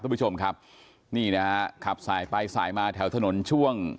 คุณผู้ชมครับนี่นะฮะขับสายไปสายมาแถวถนนช่วง